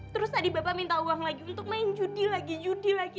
terus tadi bapak minta uang lagi untuk main judi lagi judi lagi